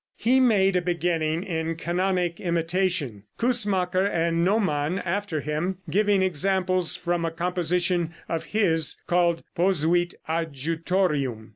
He made a beginning in canonic imitation, Coussemaker and Naumann, after him, giving examples from a composition of his called "Posuit Adjutorium."